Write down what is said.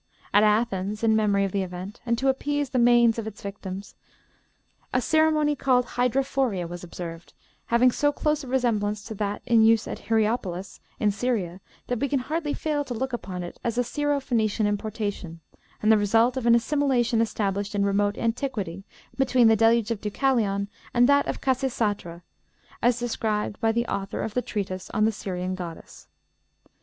At Athens, in memory of the event, and to appease the manes of its victims, a ceremony called Hydrophoria was observed, having so close a resemblance to that in use at Hierapolis, in Syria, that we can hardly fail to look upon it as a Syro Phoenician importation, and the result of an assimilation established in remote antiquity between the Deluge of Deucalion and that of Khasisatra, as described by the author of the treatise 'On the Syrian Goddess.'